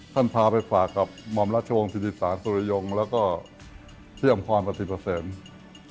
ท่านพาไปฝากกับหมอมรัชโฌงศ์ธิติศาสตร์สุริยงแล้วก็เที่ยมความประสิทธิ์เฉพาะเสร็จ